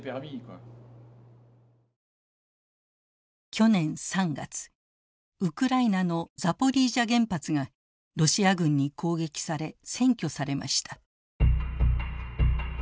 去年３月ウクライナのザポリージャ原発がロシア軍に攻撃され占拠されました。